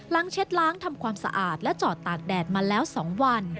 เช็ดล้างทำความสะอาดและจอดตากแดดมาแล้ว๒วัน